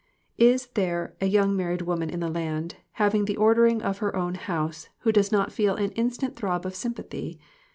Is there a young married woman in the land, having the ordering of her own house, who does not feel an instant throb of sympathy?